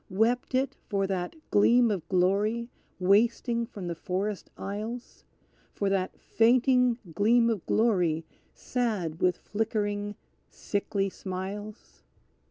Wept it for that gleam of glory wasting from the forest aisles; For that fainting gleam of glory sad with flickering, sickly smiles?